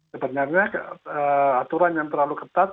sebenarnya aturan yang terlalu ketat